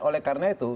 oleh karena itu